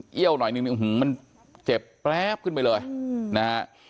เยี้ยวหน่อยนึงมันเจ็บแป๊บขึ้นไปเลยอืมนะฮะ